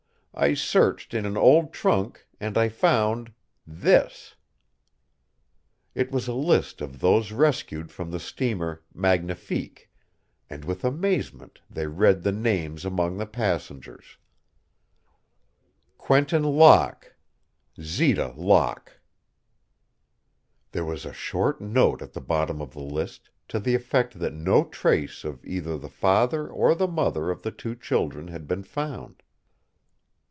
I searched in an old trunk and I found this." It was a list of those rescued from the steamer Magnifique, and with amazement they read the names among the passengers: QUENTIN LOCKE ZITA LOCKE There was a short note at the bottom of the list, to the effect that no trace of either the father or the mother of the two children had been found.